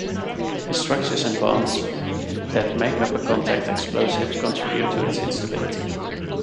The structures and bonds that make up a contact explosive contribute to its instability.